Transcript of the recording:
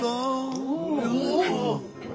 おお！